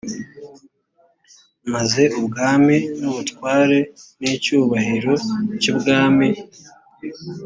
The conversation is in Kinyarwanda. maze ubwami n ubutware n icyubahiro cy ubwami